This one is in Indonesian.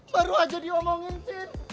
baru aja diomongin jen